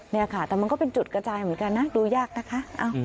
นี่ค่ะแต่มันก็เป็นจุดกระจายเหมือนกันนะดูยากนะคะ